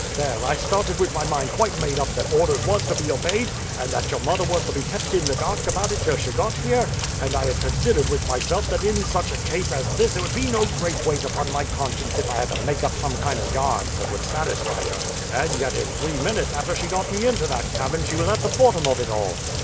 There, I started with my mind quite made up that orders was to be obeyed, and that your mother was to be kept in the dark about it till she got here; and I had considered with myself that in such a case as this it would be no great weight upon my conscience if I had to make up some kind of a yarn that would satisfy her; and yet in three minutes after she got me into that cabin she was at the bottom of it all."